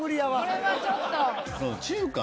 これはちょっと。